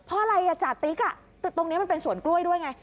เพราะอะไรอ่ะจาติ๊กตรงนี้มันเป็นสวนกล้วยด้วยไง